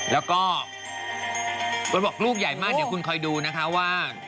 แล้วก็คุณบอกลูกใหญ่มากเดี๋ยวคุณคอยดูนะคะว่า